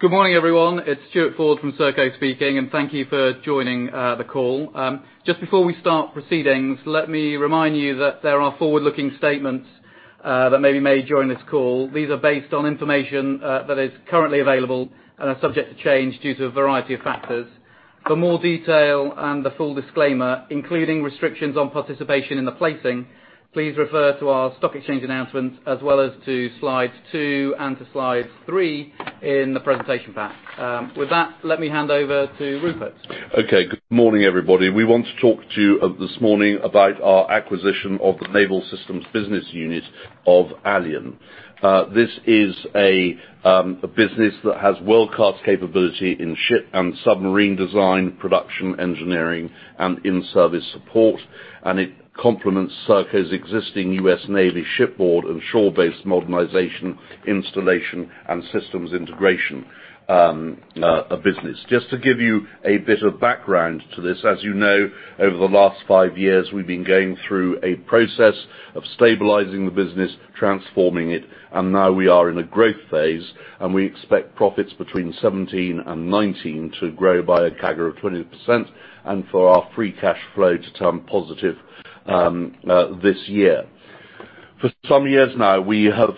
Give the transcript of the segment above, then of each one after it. Good morning, everyone. It's Stuart Ford from Serco speaking, and thank you for joining the call. Just before we start proceedings, let me remind you that there are forward-looking statements that may be made during this call. These are based on information that is currently available and are subject to change due to a variety of factors. For more detail and the full disclaimer, including restrictions on participation in the placing, please refer to our stock exchange announcement, as well as to slide two and to slide three in the presentation pack. With that, let me hand over to Rupert. Okay. Good morning, everybody. We want to talk to you this morning about our acquisition of the Naval Systems Business Unit of Alion. This is a business that has world-class capability in ship and submarine design, production, engineering, and in-service support, and it complements Serco's existing U.S. Navy shipboard and shore-based modernization, installation, and systems integration business. Just to give you a bit of background to this, as you know, over the last five years, we've been going through a process of stabilizing the business, transforming it, and now we are in a growth phase, and we expect profits between 2017 and 2019 to grow by a CAGR of 20% and for our free cash flow to turn positive this year. For some years now, we have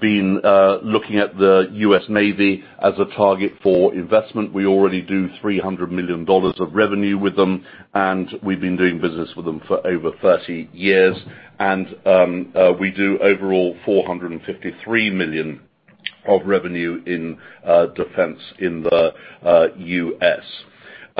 been looking at the U.S. Navy as a target for investment. We already do $300 million of revenue with them, and we've been doing business with them for over 30 years. We do overall $453 million of revenue in defense in the U.S.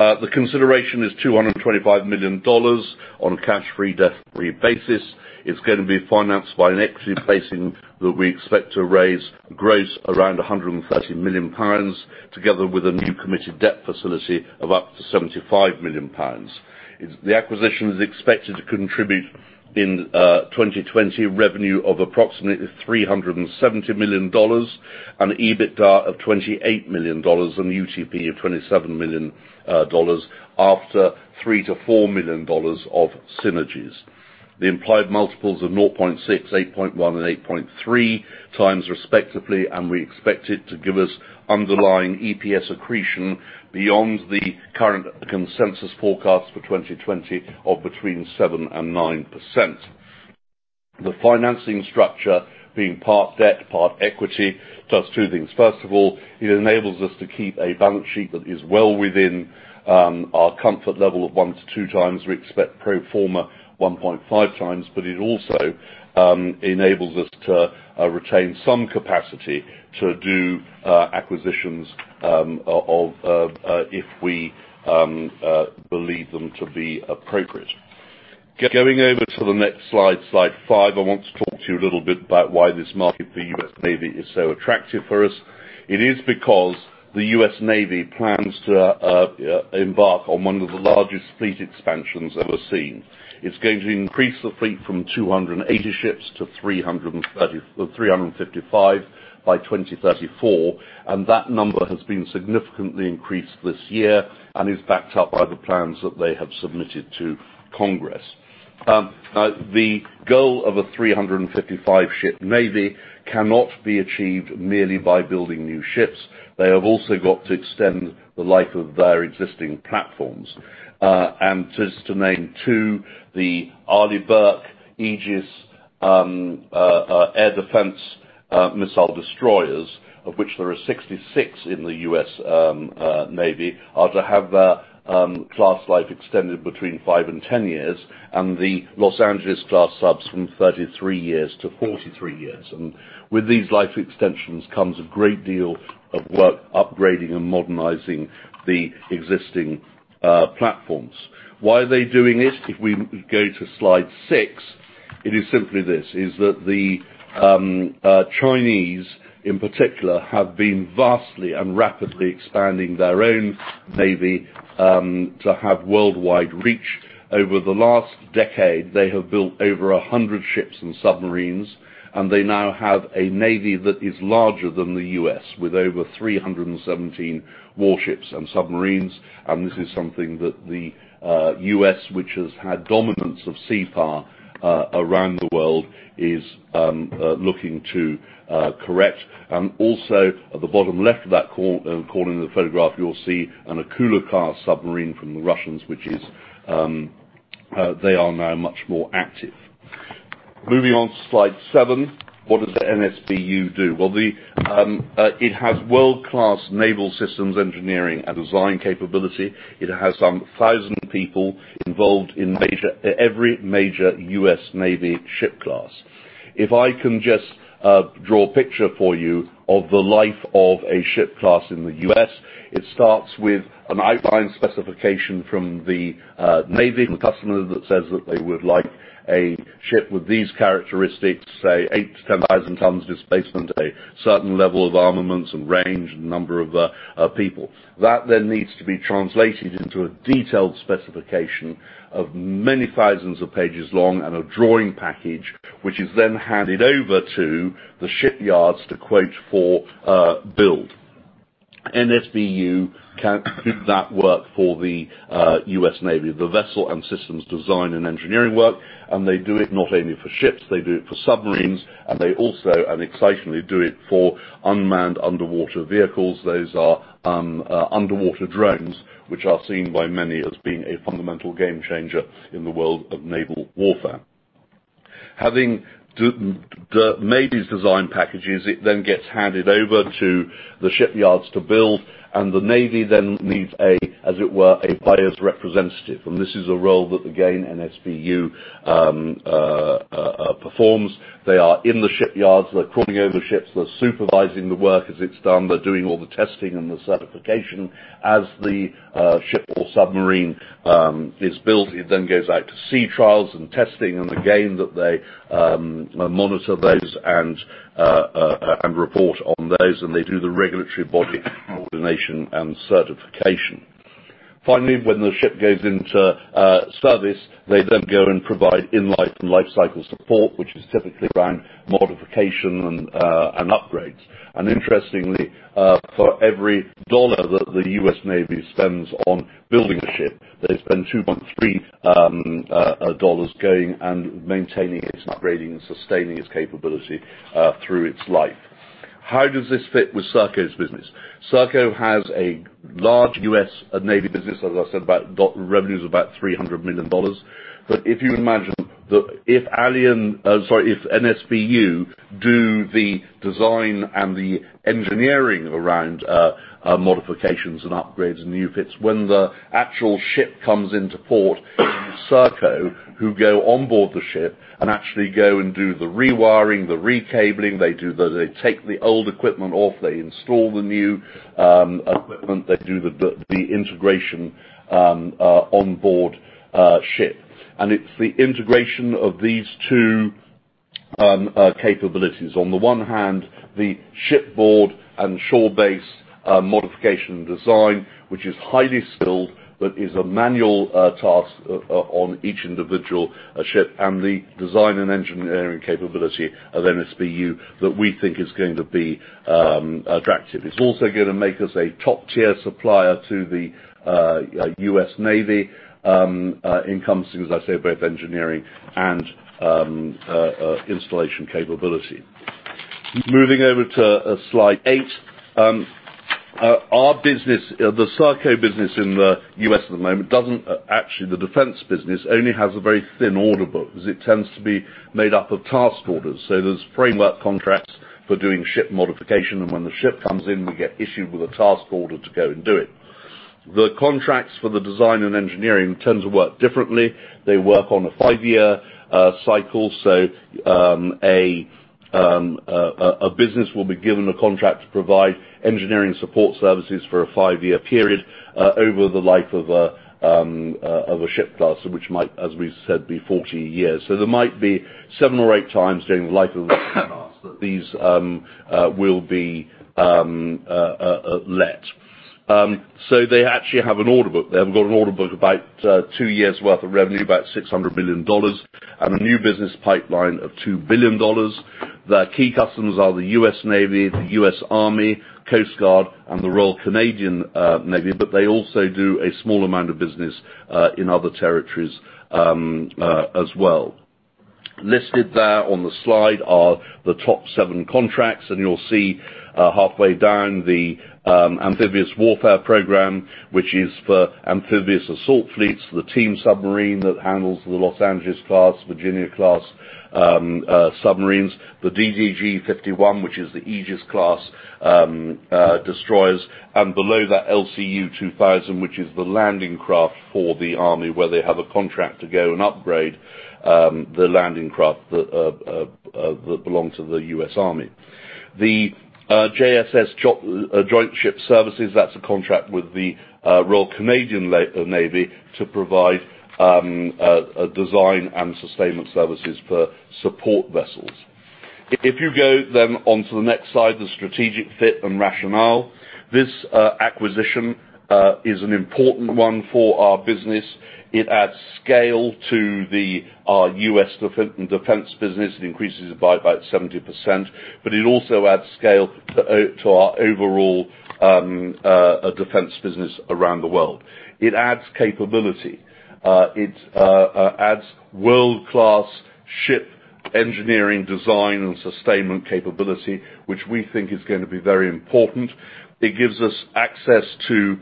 The consideration is $225 million on a cash-free, debt-free basis. It's going to be financed by an equity placing that we expect to raise gross around 130 million pounds, together with a new committed debt facility of up to 75 million pounds. The acquisition is expected to contribute in 2020, revenue of approximately $370 million and EBITDA of $28 million and UTP of $27 million after $3 million-$4 million of synergies. The implied multiples of 0.6, 8.1, and 8.3 times respectively, and we expect it to give us underlying EPS accretion beyond the current consensus forecast for 2020 of between 7% and 9%. The financing structure being part debt, part equity, does two things. First of all, it enables us to keep a balance sheet that is well within our comfort level of one to two times. We expect pro forma 1.5 times. It also enables us to retain some capacity to do acquisitions if we believe them to be appropriate. Going over to the next slide five, I want to talk to you a little bit about why this market, the U.S. Navy, is so attractive for us. It is because the U.S. Navy plans to embark on one of the largest fleet expansions ever seen. It's going to increase the fleet from 280 ships to 355 by 2034, and that number has been significantly increased this year and is backed up by the plans that they have submitted to Congress. The goal of a 355-ship Navy cannot be achieved merely by building new ships. They have also got to extend the life of their existing platforms. Just to name two, the Arleigh Burke-class Aegis air defense missile destroyers, of which there are 66 in the U.S. Navy, are to have their class life extended between 5 and 10 years, and the Los Angeles-class subs from 33 years to 43 years. With these life extensions comes a great deal of work upgrading and modernizing the existing platforms. Why are they doing this? If we go to slide six, it is simply this, that the Chinese in particular have been vastly and rapidly expanding their own navy, to have worldwide reach. Over the last decade, they have built over 100 ships and submarines, and they now have a navy that is larger than the U.S., with over 317 warships and submarines. This is something that the U.S., which has had dominance of the sea around the world, is looking to correct. Also at the bottom left of that corner of the photograph, you will see an Akula-class submarine from the Russians. They are now much more active. Moving on to slide seven, what does the NSBU do? Well, it has world-class naval systems engineering and design capability. It has some 1,000 people involved in every major U.S. Navy ship class. If I can just draw a picture for you of the life of a ship class in the U.S., it starts with an outline specification from the Navy, the customer, that says that they would like a ship with these characteristics, say 8 to 10,000 tons displacement, a certain level of armaments and range, and number of people. That then needs to be translated into a detailed specification of many thousands of pages long and a drawing package, which is then handed over to the shipyards to quote for build. NSBU can do that work for the U.S. Navy, the vessel and systems design and engineering work, and they do it not only for ships, they do it for submarines. They also, and excitedly, do it for unmanned underwater vehicles. Those are underwater drones, which are seen by many as being a fundamental game changer in the world of naval warfare. Having made these design packages, it then gets handed over to the shipyards to build, and the Navy then needs a, as it were, a buyer's representative, and this is a role that, again, NSBU performs. They are in the shipyards. They're crawling over ships. They're supervising the work as it's done. They're doing all the testing and the certification as the ship or submarine is built. It then goes out to sea trials and testing, and again, they monitor those and report on those, and they do the regulatory body coordination and certification. Finally, when the ship goes into service, they then go and provide in-life and lifecycle support, which is typically around modification and upgrades. Interestingly, for every dollar that the U.S. Navy spends on building a ship, they spend $2.3 going and maintaining it, upgrading and sustaining its capability through its life. How does this fit with Serco's business? Serco has a large U.S. Navy business. As I said, revenues of about $300 million. If you imagine that if NSBU do the design and the engineering around modifications and upgrades and new fits, when the actual ship comes into port, Serco, who go on board the ship and actually go and do the rewiring, the recabling, they take the old equipment off, they install the new equipment, they do the integration on board ship. It's the integration of these two capabilities. On the one hand, the shipboard and shore-based modification design, which is highly skilled but is a manual task on each individual ship, and the design and engineering capability of NSBU that we think is going to be attractive. It's also going to make us a top-tier supplier to the U.S. Navy in terms of, as I say, both engineering and installation capability. Moving over to slide eight. The Serco business in the U.S. At the moment, actually, the defense business only has a very thin order book because it tends to be made up of task orders. There's framework contracts for doing ship modification, and when the ship comes in, we get issued with a task order to go and do it. The contracts for the design and engineering tends to work differently. They work on a five-year cycle. A business will be given a contract to provide engineering support services for a five-year period over the life of a ship class, which might, as we said, be 40 years. There might be seven or eight times during the life of the ship class that these will be let. They actually have an order book. They have got an order book of about two years worth of revenue, about $600 million, and a new business pipeline of $2 billion. Their key customers are the U.S. Navy, the U.S. Army, Coast Guard, and the Royal Canadian Navy, but they also do a small amount of business in other territories as well. Listed there on the slide are the top seven contracts, and you'll see halfway down the Amphibious Warfare program, which is for amphibious assault fleets, the team submarine that handles the Los Angeles-class, Virginia-class submarines, the DDG 51, which is the Aegis class destroyers, and below that LCU 2000, which is the landing craft for the Army, where they have a contract to go and upgrade the landing craft that belong to the U.S. Army. The JSS, Joint Support Ship, that's a contract with the Royal Canadian Navy to provide design and sustainment services for support vessels. You go then onto the next slide, the strategic fit and rationale, this acquisition is an important one for our business. It adds scale to our U.S. defense business. It increases it by about 70%, but it also adds scale to our overall defense business around the world. It adds capability. It adds world-class ship engineering design and sustainment capability, which we think is going to be very important. It gives us access to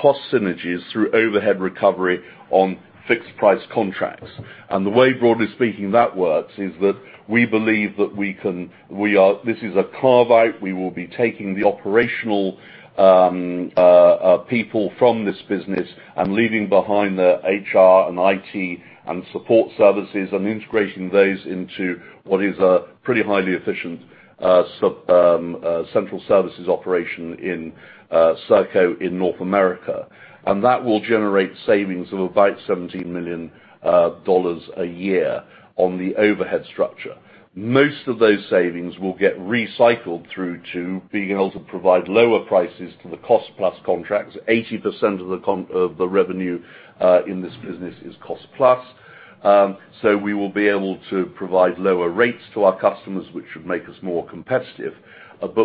cost synergies through overhead recovery on fixed price contracts. The way, broadly speaking, that works is that we believe that this is a carve-out. We will be taking the operational people from this business and leaving behind their HR and IT and support services and integrating those into what is a pretty highly efficient central services operation in Serco in North America. That will generate savings of about $17 million a year on the overhead structure. Most of those savings will get recycled through to being able to provide lower prices to the cost-plus contracts. 80% of the revenue in this business is cost-plus. We will be able to provide lower rates to our customers, which should make us more competitive.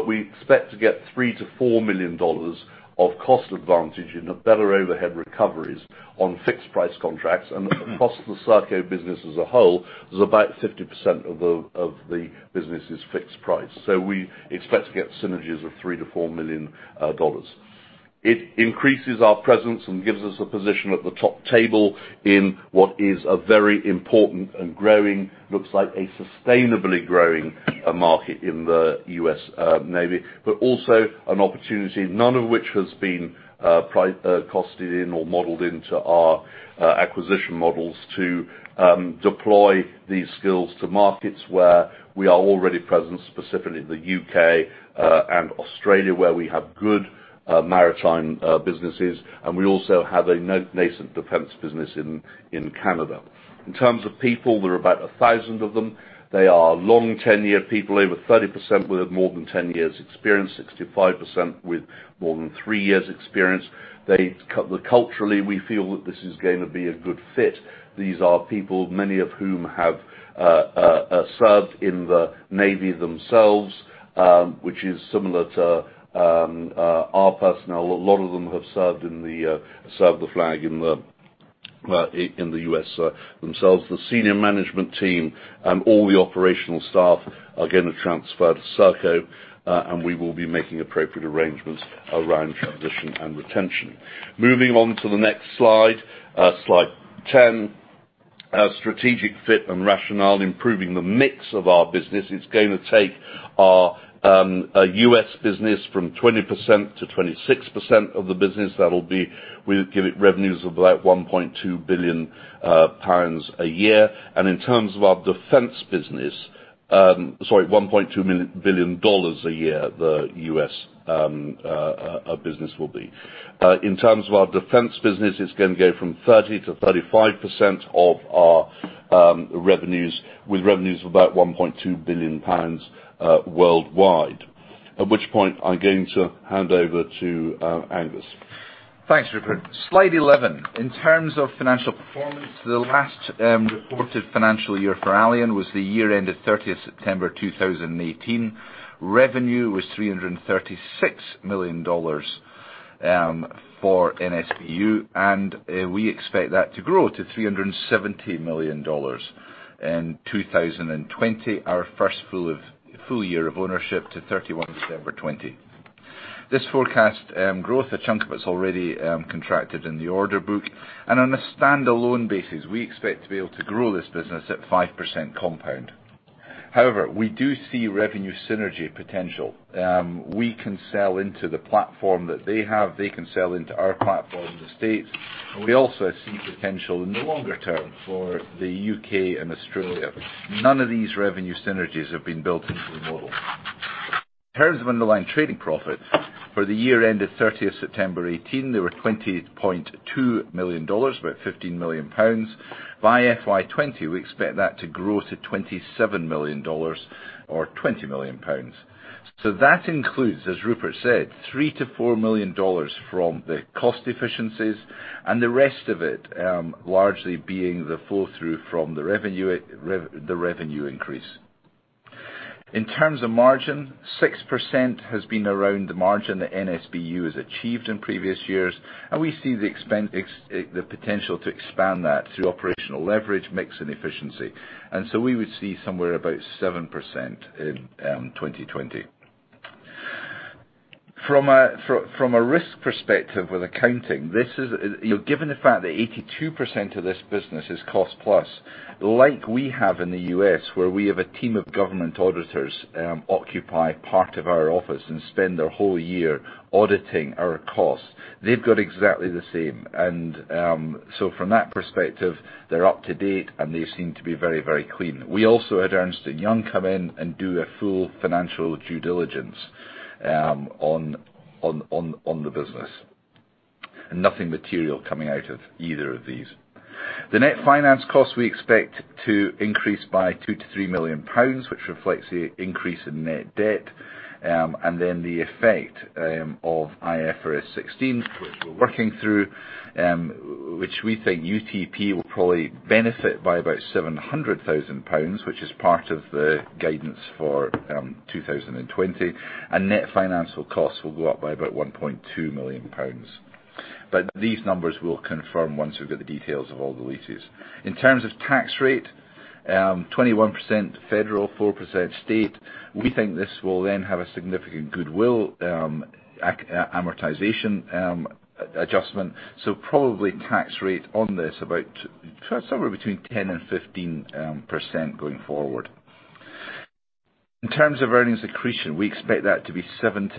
We expect to get $3 million-$4 million of cost advantage in the better overhead recoveries on firm fixed price contracts, and across the Serco Group business as a whole, is about 50% of the business is firm fixed price. We expect to get synergies of $3 million-$4 million. It increases our presence and gives us a position at the top table in what is a very important and growing, looks like a sustainably growing, market in the U.S. Navy, but also an opportunity, none of which has been costed in or modeled into our acquisition models to deploy these skills to markets where we are already present, specifically the U.K. and Australia, where we have good maritime businesses, and we also have a nascent defense business in Canada. In terms of people, there are about 1,000 of them. They are long tenure people, over 30% with more than 10 years' experience, 65% with more than three years' experience. Culturally, we feel that this is going to be a good fit. These are people, many of whom have served in the Navy themselves, which is similar to our personnel. A lot of them have served the flag in the U.S. themselves. The senior management team and all the operational staff are going to transfer to Serco Group, and we will be making appropriate arrangements around transition and retention. Moving on to the next slide 10, strategic fit and rationale. Improving the mix of our business, it's going to take our U.S. business from 20%-26% of the business. That will give it revenues of about 1.2 billion pounds a year. In terms of our defense business, sorry, $1.2 billion a year, the U.S. business will be. In terms of our defense business, it's going to go from 30%-35% of our revenues, with revenues of about 1.2 billion pounds worldwide. At which point, I'm going to hand over to Angus. Thanks, Rupert. Slide 11. In terms of financial performance, the last reported financial year for Alion was the year end of 30th September 2018. Revenue was $336 million for NSBU, and we expect that to grow to $370 million in 2020, our first full year of ownership to 31 December 2020. This forecast growth, a chunk of it's already contracted in the order book, and on a standalone basis, we expect to be able to grow this business at 5% compound. We do see revenue synergy potential. We can sell into the platform that they have. They can sell into our platform in the States. We also see potential in the longer term for the U.K. and Australia. None of these revenue synergies have been built into the model. In terms of underlying trading profit, for the year end of September 30, 2018, there were $20.2 million, about 15 million pounds. By FY 2020, we expect that to grow to $27 million or 20 million pounds. That includes, as Rupert said, $3 million-$4 million from the cost efficiencies and the rest of it largely being the flow-through from the revenue increase. In terms of margin, 6% has been around the margin that NSBU has achieved in previous years, and we see the potential to expand that through operational leverage, mix, and efficiency. We would see somewhere about 7% in 2020. From a risk perspective with accounting, given the fact that 82% of this business is cost-plus, like we have in the U.S. where we have a team of government auditors occupy part of our office and spend their whole year auditing our costs, they've got exactly the same. From that perspective, they're up to date and they seem to be very clean. We also had Ernst & Young come in and do a full financial due diligence on the business, and nothing material coming out of either of these. The net finance cost we expect to increase by 2 million-3 million pounds, which reflects the increase in net debt, and the effect of IFRS 16, which we're working through, which we think UPAT will probably benefit by about 700,000 pounds, which is part of the guidance for 2020, and net financial costs will go up by about 1.2 million pounds. These numbers we'll confirm once we've got the details of all the leases. In terms of tax rate, 21% federal, 4% state. We think this will then have a significant goodwill amortization adjustment, probably tax rate on this about somewhere between 10%-15% going forward. In terms of earnings accretion, we expect that to be 7%-9%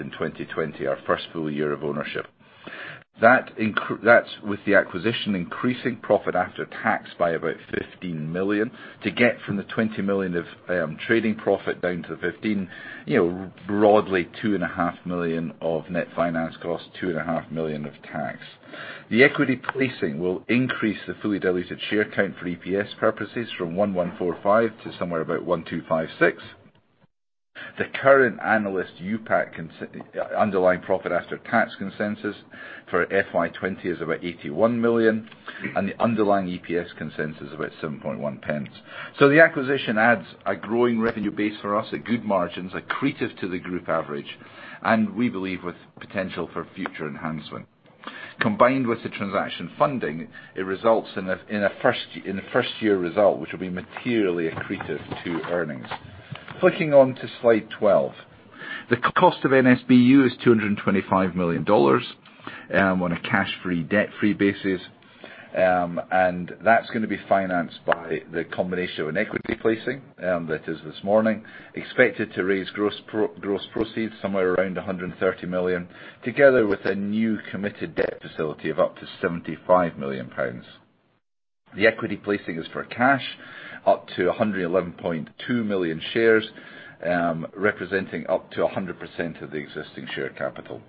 in 2020, our first full year of ownership. That's with the acquisition increasing profit after tax by about 15 million to get from the 20 million of trading profit down to the 15 million, broadly 2.5 million of net finance cost, 2.5 million of tax. The equity placing will increase the fully diluted share count for EPS purposes from 1,145 to somewhere about 1,256. The current analyst UPAT, underlying profit after tax consensus, for FY 2020 is about 81 million, and the underlying EPS consensus is about 0.071. The acquisition adds a growing revenue base for us at good margins, accretive to the group average, and we believe with potential for future enhancement. Combined with the transaction funding, it results in a first-year result, which will be materially accretive to earnings. Clicking on to slide 12. The cost of NSBU is $225 million on a cash-free, debt-free basis, that's going to be financed by the combination of an equity placing, that is this morning, expected to raise gross proceeds somewhere around 130 million, together with a new committed debt facility of up to £75 million. The equity placing is for cash up to 111.2 million shares, representing up to 100% of the existing share capital.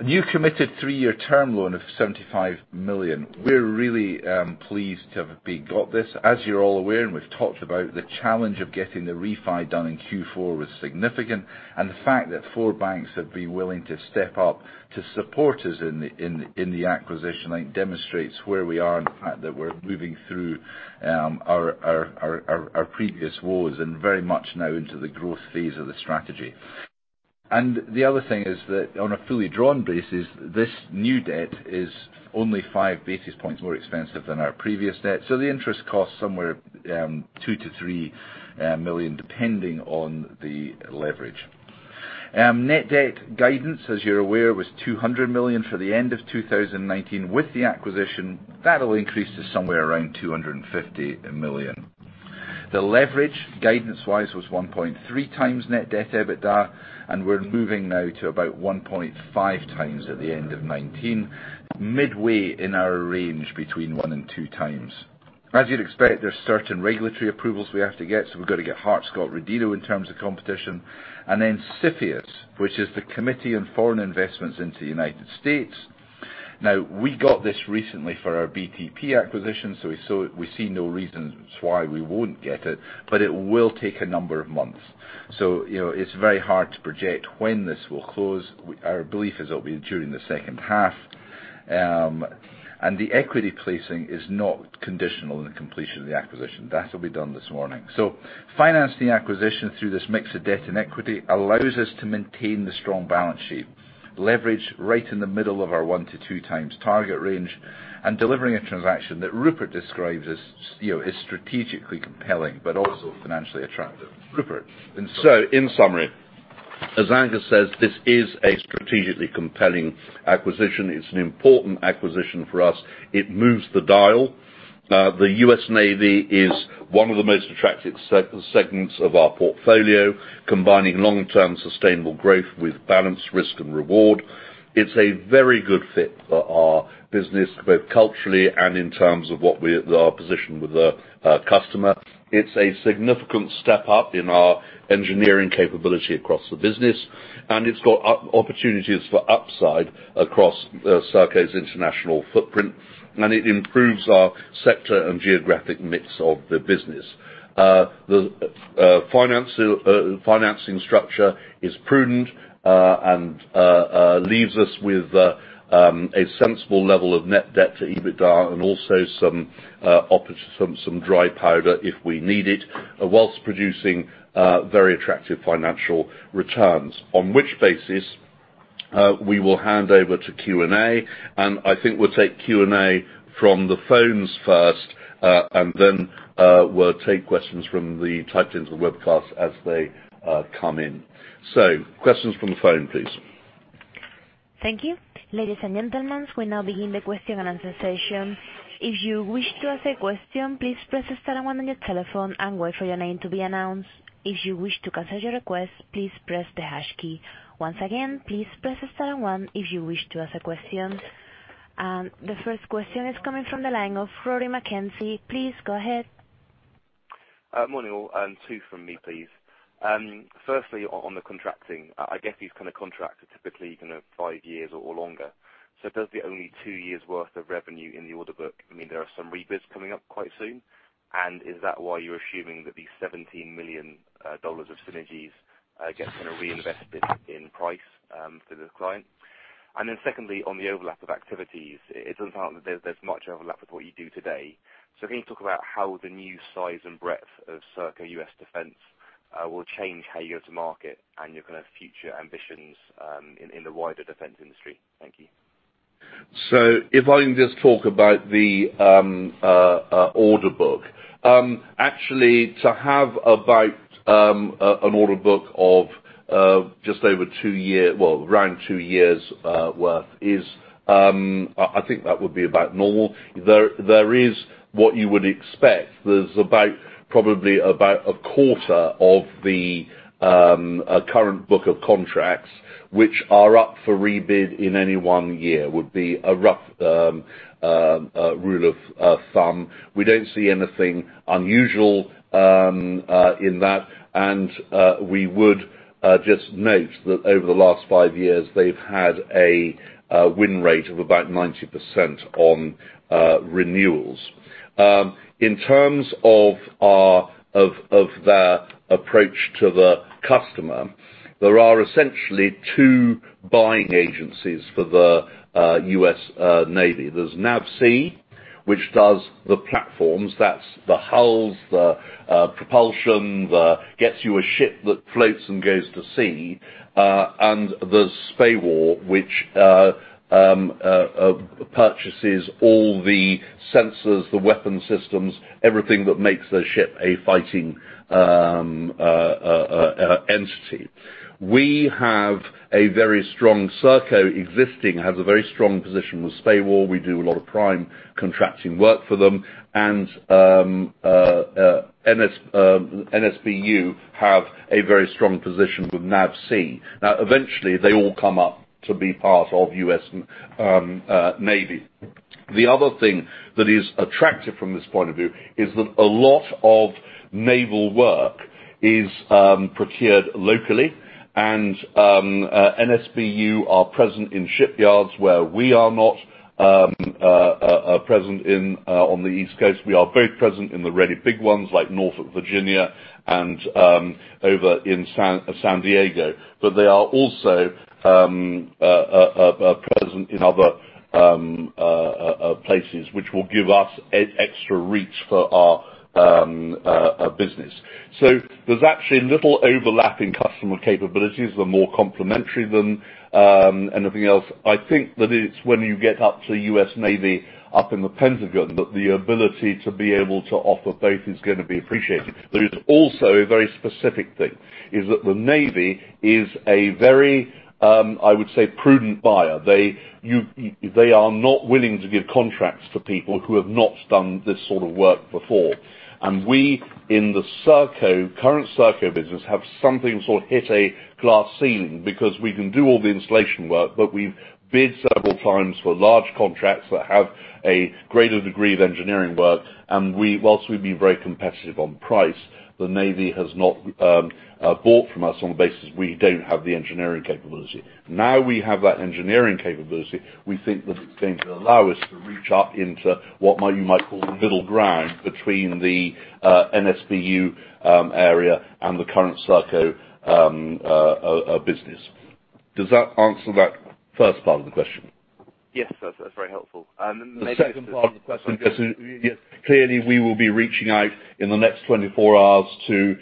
A new committed three-year term loan of 75 million. We're really pleased to have got this. As you're all aware, and we've talked about, the challenge of getting the refi done in Q4 was significant, the fact that four banks have been willing to step up to support us in the acquisition, I think demonstrates where we are and the fact that we're moving through our previous woes and very much now into the growth phase of the strategy. The other thing is that on a fully drawn basis, this new debt is only five basis points more expensive than our previous debt. The interest cost somewhere £2 to 3 million, depending on the leverage. Net debt guidance, as you're aware, was 200 million for the end of 2019. With the acquisition, that'll increase to somewhere around 250 million. The leverage, guidance-wise, was 1.3 times net debt EBITDA, we're moving now to about 1.5 times at the end of 2019, midway in our range between one and two times. As you'd expect, there's certain regulatory approvals we have to get, we've got to get Hart-Scott-Rodino in terms of competition, then CFIUS, which is the Committee on Foreign Investment in the United States. We got this recently for our BTP acquisition, we see no reasons why we won't get it, but it will take a number of months. It's very hard to project when this will close. Our belief is it'll be during the second half. The equity placing is not conditional on the completion of the acquisition. That will be done this morning. Financing acquisition through this mix of debt and equity allows us to maintain the strong balance sheet, leverage right in the middle of our one to two times target range, delivering a transaction that Rupert describes as strategically compelling, but also financially attractive. Rupert. In summary, as Angus says, this is a strategically compelling acquisition. It's an important acquisition for us. It moves the dial. The U.S. Navy is one of the most attractive segments of our portfolio, combining long-term sustainable growth with balanced risk and reward. It's a very good fit for our business, both culturally and in terms of our position with the customer. It's a significant step up in our engineering capability across the business, it's got opportunities for upside across Serco's international footprint, it improves our sector and geographic mix of the business. The financing structure is prudent and leaves us with a sensible level of net debt to EBITDA and also some dry powder if we need it, whilst producing very attractive financial returns. On which basis, we will hand over to Q&A, and I think we'll take Q&A from the phones first, then we'll take questions from the typed into the webcast as they come in. Questions from the phone, please. Thank you. Ladies and gentlemen, we now begin the question and answer session. If you wish to ask a question, please press star 1 on your telephone and wait for your name to be announced. If you wish to cancel your request, please press the hash key. Once again, please press star 1 if you wish to ask a question. The first question is coming from the line of Rory Mackenzie. Please go ahead. Morning, all. Two from me, please. Firstly, on the contracting, I guess these kind of contracts are typically kind of 5 years or longer. Does the only 2 years’ worth of revenue in the order book, I mean, there are some rebids coming up quite soon? Is that why you're assuming that the GBP 17 million of synergies gets kind of reinvested in price for the client? Secondly, on the overlap of activities, it doesn't sound like there's much overlap with what you do today. Can you talk about how the new size and breadth of Serco U.S. defense will change how you go to market and your kind of future ambitions in the wider defense industry? Thank you. If I can just talk about the order book. Actually, to have about an order book of just over 2 years-- well, around 2 years worth is I think that would be about normal. There is what you would expect. There's probably about a quarter of the current book of contracts, which are up for rebid in any one year, would be a rough rule of thumb. We don't see anything unusual in that, we would just note that over the last 5 years, they've had a win rate of about 90% on renewals. In terms of their approach to the customer, there are essentially 2 buying agencies for the U.S. Navy. There's NAVSEA, which does the platforms, that's the hulls, the propulsion, gets you a ship that floats and goes to sea, and there's SPAWAR, which purchases all the sensors, the weapon systems, everything that makes the ship a fighting entity. Serco existing has a very strong position with SPAWAR. We do a lot of prime contracting work for them. NSBU have a very strong position with NAVSEA. Eventually, they all come up to be part of U.S. Navy. The other thing that is attractive from this point of view is that a lot of naval work is procured locally. NSBU are present in shipyards where we are not present on the East Coast. We are very present in the really big ones like Norfolk, Virginia, and over in San Diego. They are also present in other places, which will give us extra reach for our business. There's actually little overlap in customer capabilities. They're more complementary than anything else. I think that it's when you get up to U.S. Navy up in the Pentagon that the ability to be able to offer both is going to be appreciated. There is also a very specific thing, is that the Navy is a very, I would say, prudent buyer. They are not willing to give contracts to people who have not done this sort of work before. We in the current Serco business have something sort of hit a glass ceiling because we can do all the installation work, but we've bid several times for large contracts that have a greater degree of engineering work, and whilst we've been very competitive on price, the Navy has not bought from us on the basis we don't have the engineering capability. We have that engineering capability, we think that it's going to allow us to reach up into what you might call the middle ground between the NSBU area and the current Serco business. Does that answer that first part of the question? Yes, that's very helpful. The second part of the question, clearly we will be reaching out in the next 24 hours to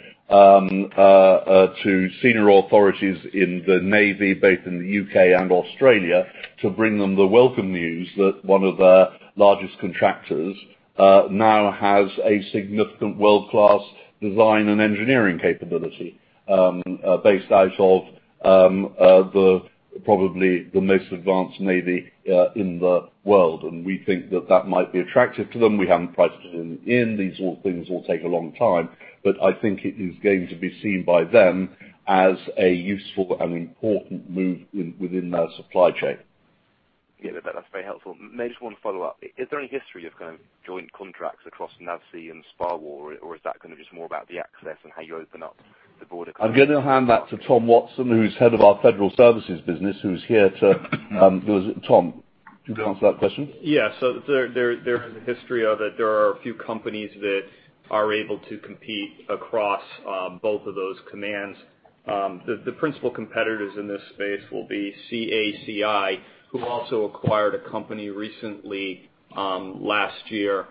senior authorities in the Navy, both in the U.K. and Australia, to bring them the welcome news that one of their largest contractors now has a significant world-class design and engineering capability based out of probably the most advanced navy in the world. We think that that might be attractive to them. We haven't priced it in. These things will take a long time, I think it is going to be seen by them as a useful and important move within their supply chain. Yeah, that's very helpful. Maybe just one follow-up. Is there any history of joint contracts across NAVSEA and SPAWAR, or is that just more about the access and how you open up the broader? I'm going to hand that to Tom Watson, who's head of our federal services business, who's here. Tom, do you want to answer that question? Yeah. There is a history of it. There are a few companies that are able to compete across both of those commands. The principal competitors in this space will be CACI, who also acquired a company recently, last year,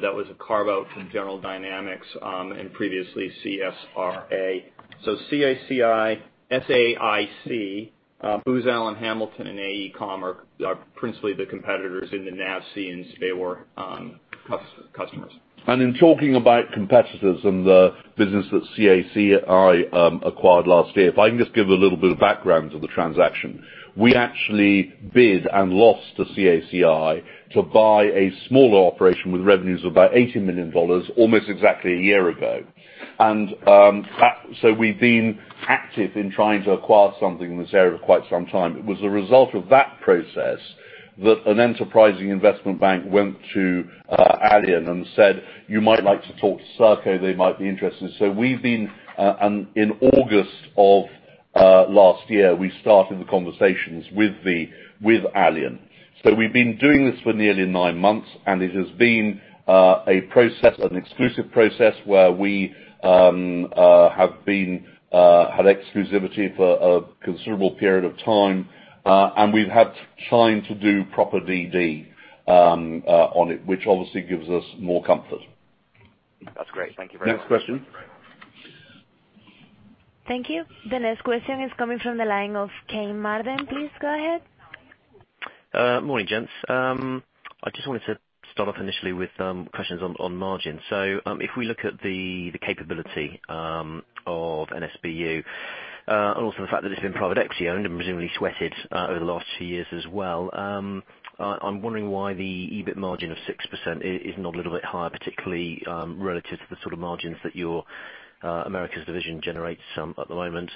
that was a carve-out from General Dynamics, and previously CSRA. CACI, SAIC, Booz Allen Hamilton, and AECOM are principally the competitors in the NAVSEA and SPAWAR customers. In talking about competitors and the business that CACI acquired last year, if I can just give a little bit of background to the transaction. We actually bid and lost to CACI to buy a smaller operation with revenues of about $80 million almost exactly a year ago. We've been active in trying to acquire something in this area quite some time. It was a result of that process that an enterprising investment bank went to Alion and said, "You might like to talk to Serco. They might be interested." In August of last year, we started the conversations with Alion. We've been doing this for nearly nine months, and it has been an exclusive process where we have had exclusivity for a considerable period of time. We've had time to do proper DD on it, which obviously gives us more comfort. That's great. Thank you very much. Next question. Thank you. The next question is coming from the line of Kane Marden. Please go ahead. Morning, gents. I just wanted to start off initially with questions on margin. If we look at the capability of NSBU, and also the fact that it's been [private equity]-owned and presumably sweated over the last two years as well, I'm wondering why the EBIT margin of 6% is not a little bit higher, particularly relative to the sort of margins that your Americas division generates at the moment.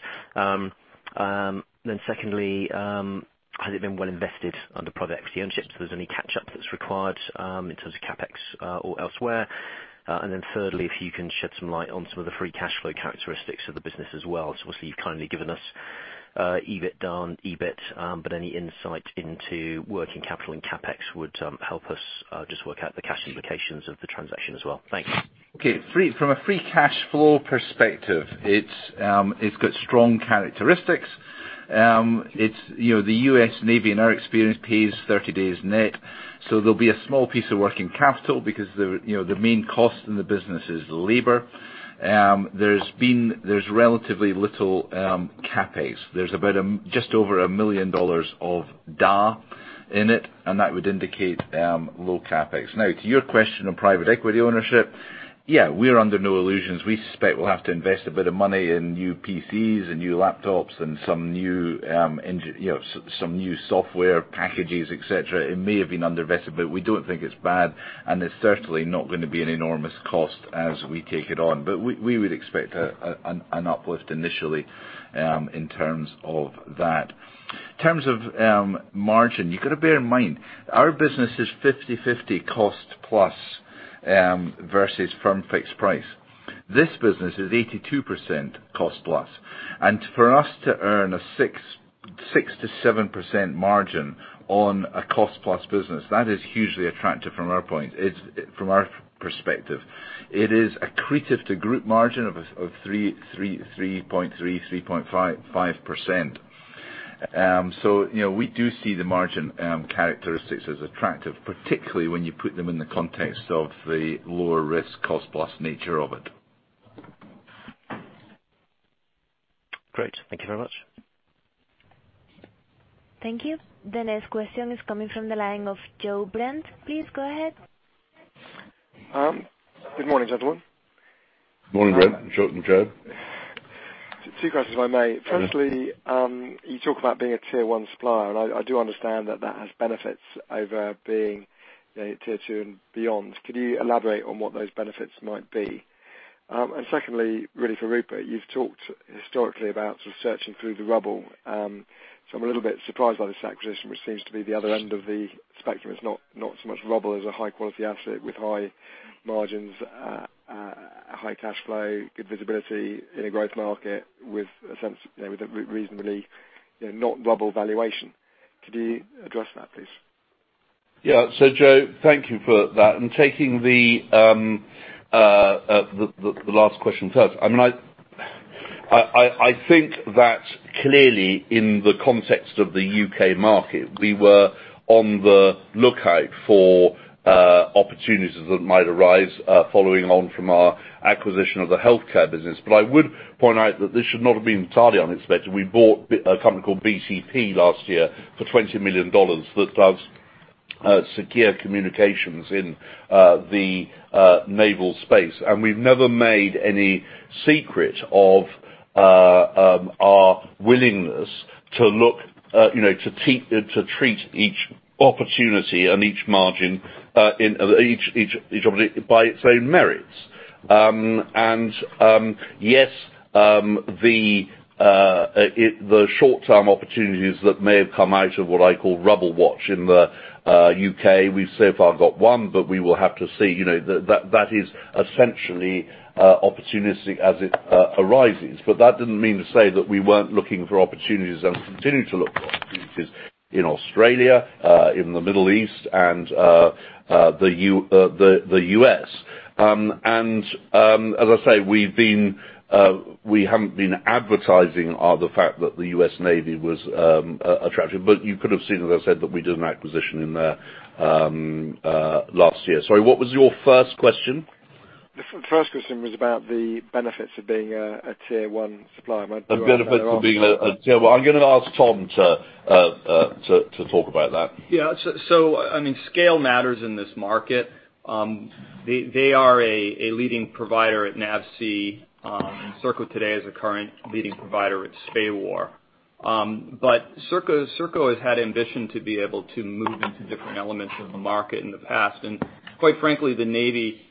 Secondly, has it been well invested under [private equity] ownership? If there's any catch-up that's required in terms of CapEx or elsewhere. Thirdly, if you can shed some light on some of the free cash flow characteristics of the business as well. Obviously you've kindly given us EBITDA and EBIT, but any insight into working capital and CapEx would help us just work out the cash implications of the transaction as well. Thanks. Okay. From a free cash flow perspective, it's got strong characteristics. The U.S. Navy, in our experience, pays 30 days net. There'll be a small piece of working capital because the main cost in the business is labor. There's relatively little CapEx. There's about just over GBP 1 million of D&A in it, and that would indicate low CapEx. To your question on private equity ownership, yeah, we're under no illusions. We suspect we'll have to invest a bit of money in new PCs and new laptops and some new software packages, et cetera. It may have been undervested, but we don't think it's bad, and it's certainly not going to be an enormous cost as we take it on. We would expect an uplift initially in terms of that. In terms of margin, you've got to bear in mind, our business is 50/50 cost-plus versus firm fixed price. This business is 82% cost-plus, for us to earn a 6%-7% margin on a cost-plus business, that is hugely attractive from our perspective. It is accretive to group margin of 3.3%-3.5%. We do see the margin characteristics as attractive, particularly when you put them in the context of the lower risk cost-plus nature of it. Great. Thank you very much. Thank you. The next question is coming from the line of Joe Brent. Please go ahead. Good morning, gentlemen. Morning, Joe. Two questions, if I may. Yes. Firstly, you talk about being a tier 1 supplier, and I do understand that that has benefits over being tier 2 and beyond. Could you elaborate on what those benefits might be? Secondly, really for Rupert, you've talked historically about sort of searching through the rubble. I'm a little bit surprised by this acquisition, which seems to be the other end of the spectrum. It's not so much rubble as a high-quality asset with high margins, high cash flow, good visibility in a growth market with a reasonably not rubble valuation. Could you address that, please? Joe, thank you for that. Taking the last question first, I think that clearly in the context of the U.K. market, we were on the lookout for opportunities that might arise, following on from our acquisition of the healthcare business. I would point out that this should not have been entirely unexpected. We bought a company called BTP Systems last year for $20 million that does secure communications in the naval space. We've never made any secret of our willingness to treat each opportunity and each margin by its own merits. Yes, the short-term opportunities that may have come out of what I call rubble watch in the U.K., we've so far got one, but we will have to see. That is essentially opportunistic as it arises. That didn't mean to say that we weren't looking for opportunities and continue to look for opportunities in Australia, in the Middle East, and the U.S. As I say, we haven't been advertising the fact that the U.S. Navy was attractive, but you could have seen, as I said, that we did an acquisition in there last year. Sorry, what was your first question? The first question was about the benefits of being a tier 1 supplier. The benefits of being a tier 1. I'm going to ask Tom to talk about that. Yeah. Scale matters in this market. They are a leading provider at NAVSEA, and Serco today is a current leading provider at SPAWAR. Serco has had ambition to be able to move into different elements of the market in the past. Quite frankly, the Navy,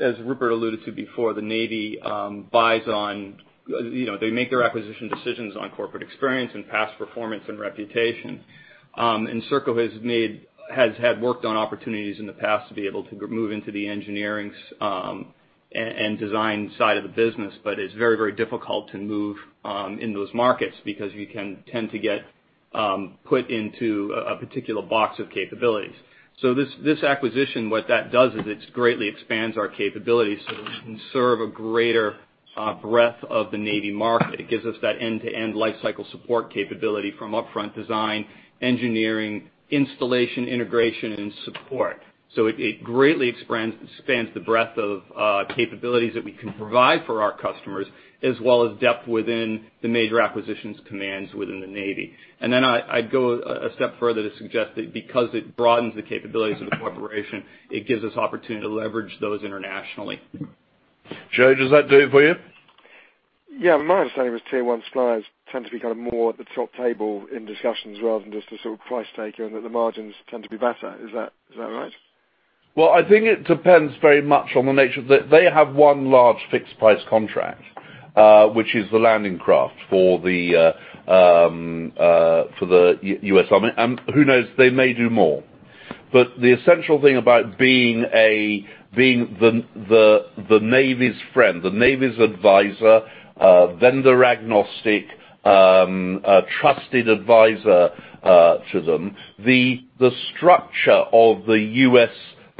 as Rupert alluded to before, They make their acquisition decisions on corporate experience and past performance and reputation. Serco has had worked on opportunities in the past to be able to move into the engineering and design side of the business, but it's very, very difficult to move in those markets because you can tend to get put into a particular box of capabilities. This acquisition, what that does is it greatly expands our capabilities so we can serve a greater breadth of the Navy market. It gives us that end-to-end life cycle support capability from upfront design, engineering, installation, integration, and support. It greatly expands the breadth of capabilities that we can provide for our customers, as well as depth within the major acquisitions commands within the Navy. I'd go a step further to suggest that because it broadens the capabilities of the corporation, it gives us opportunity to leverage those internationally. Joe, does that do it for you? Yeah. My understanding was tier 1 suppliers tend to be more at the top table in discussions rather than just a sort of price taker. That the margins tend to be better. Is that right? Well, I think it depends very much on the nature. They have one large fixed price contract, which is the landing craft for the U.S. Army. Who knows? They may do more. The essential thing about being the Navy's friend, the Navy's advisor, vendor agnostic, trusted advisor to them, the structure of the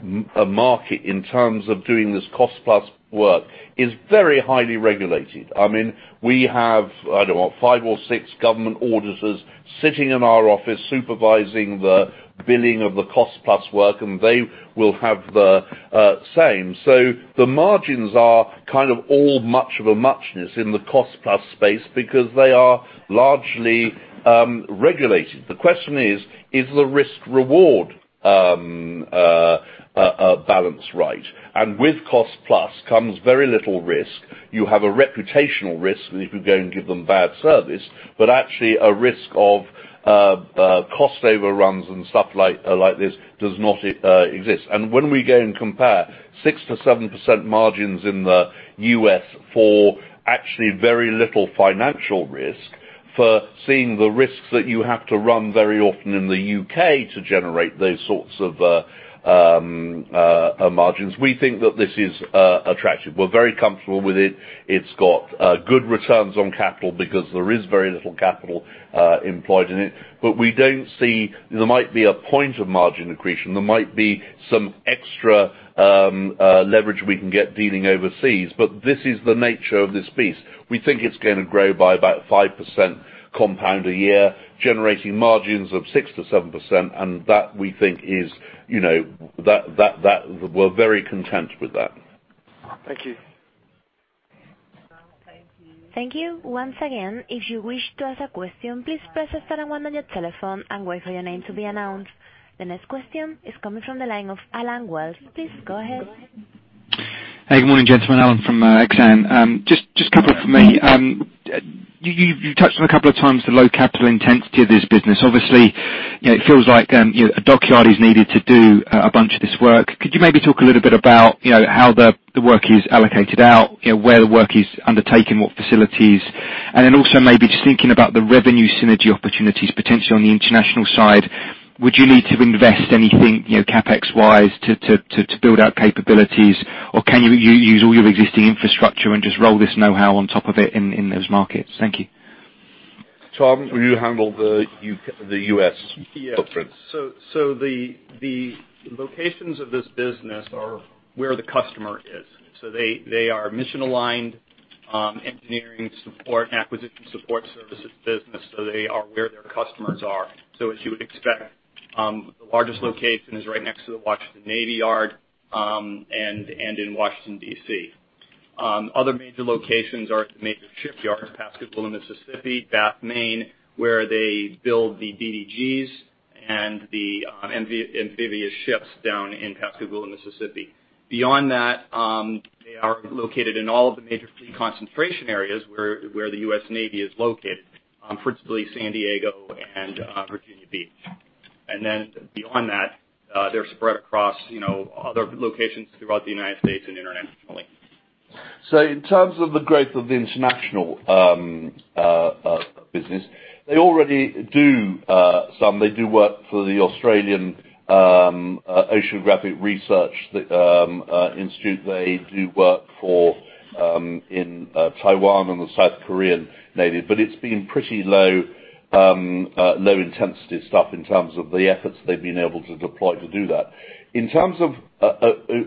USA market in terms of doing this cost-plus work is very highly regulated. We have, I don't know, five or six government auditors sitting in our office supervising the billing of the cost-plus work. They will have the same. The margins are kind of all much of a muchness in the cost-plus space because they are largely regulated. The question is the risk/reward balance right? With cost-plus comes very little risk. You have a reputational risk if you go and give them bad service. Actually a risk of cost overruns and stuff like this does not exist. When we go and compare 6%-7% margins in the U.S. for actually very little financial risk, for seeing the risks that you have to run very often in the U.K. to generate those sorts of margins, we think that this is attractive. We're very comfortable with it. It's got good returns on capital because there is very little capital employed in it. We don't see there might be a point of margin accretion. There might be some extra leverage we can get dealing overseas, but this is the nature of this beast. We think it's going to grow by about 5% compound a year, generating margins of 6%-7%. That we think is, we're very content with that. Thank you. Thank you. Once again, if you wish to ask a question, please press star and one on your telephone and wait for your name to be announced. The next question is coming from the line of Allen Wells. Please go ahead. Hey, good morning, gentlemen. Alan from Exane. Just a couple from me. You touched on a couple of times the low capital intensity of this business. Obviously, it feels like a dockyard is needed to do a bunch of this work. Could you maybe talk a little bit about how the work is allocated out, where the work is undertaken, what facilities? And then also maybe just thinking about the revenue synergy opportunities, potentially on the international side, would you need to invest anything, CapEx-wise, to build out capabilities? Or can you use all your existing infrastructure and just roll this know-how on top of it in those markets? Thank you. Tom, will you handle the U.S. footprint? The locations of this business are where the customer is. They are mission-aligned, engineering support, acquisition support services business. They are where their customers are. As you would expect, the largest location is right next to the Washington Navy Yard, and in Washington, D.C. Other major locations are the major shipyards, Pascagoula, Mississippi, Bath, Maine, where they build the DDGs and the amphibious ships down in Pascagoula, Mississippi. Beyond that, they are located in all of the major fleet concentration areas where the U.S. Navy is located, principally San Diego and Virginia Beach. Beyond that, they're spread across other locations throughout the U.S. and internationally. In terms of the growth of the international business, they already do some. They do work for the Australian Institute of Marine Science. They do work in Taiwan and the Republic of Korea Navy, but it's been pretty low intensity stuff in terms of the efforts they've been able to deploy to do that.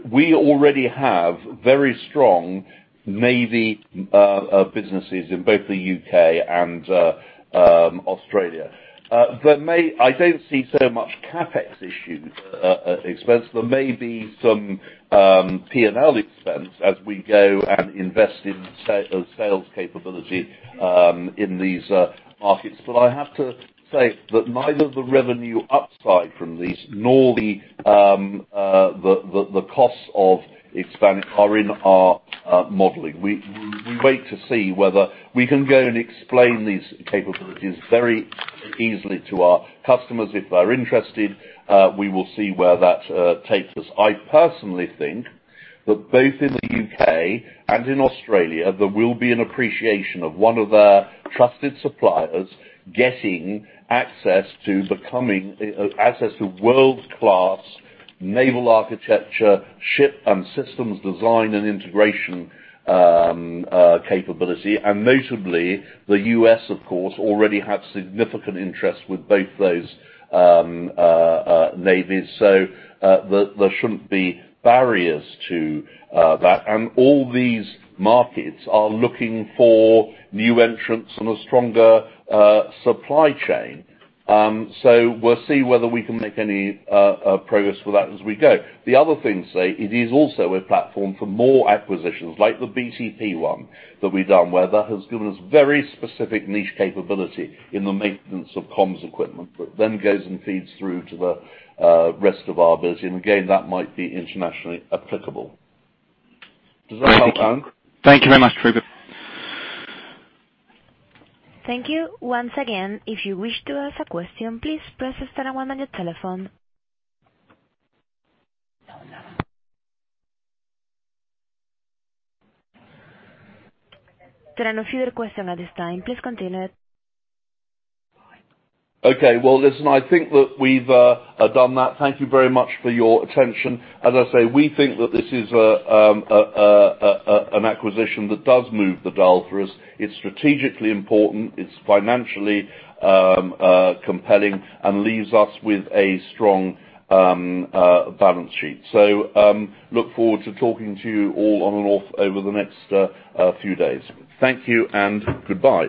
We already have very strong Navy businesses in both the U.K. and Australia. I don't see so much CapEx issue expense. There may be some P&L expense as we go and invest in sales capability in these markets. I have to say that neither the revenue upside from these nor the costs of expanding are in our modeling. We wait to see whether we can go and explain these capabilities very easily to our customers. If they're interested, we will see where that takes us. I personally think that both in the U.K. and in Australia, there will be an appreciation of one of their trusted suppliers getting access to becoming world-class naval architecture, ship, and systems design and integration capability. Notably, the U.S., of course, already had significant interest with both those navies, so there shouldn't be barriers to that. All these markets are looking for new entrants and a stronger supply chain. We'll see whether we can make any progress with that as we go. The other thing say, it is also a platform for more acquisitions like the BTP one that we've done, where that has given us very specific niche capability in the maintenance of comms equipment. That then goes and feeds through to the rest of our business. Again, that might be internationally applicable. Does that help, Alan? Thank you very much, Rupert. Thank you. Once again, if you wish to ask a question, please press star and one on your telephone. There are no further questions at this time. Please continue. Okay. Well, listen, I think that we've done that. Thank you very much for your attention. As I say, we think that this is an acquisition that does move the dial for us. It's strategically important. It's financially compelling and leaves us with a strong balance sheet. Look forward to talking to you all on and off over the next few days. Thank you and goodbye